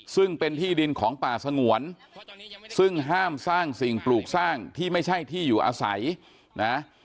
ซึ่งเป็นที่ดินของป่าสงวนซึ่งห้ามสร้างสิ่งปลูกสร้างที่ไม่ใช่ที่อยู่อาศัยนะ